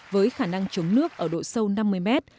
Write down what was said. với khả năng chống nước ở độ sâu năm mươi mét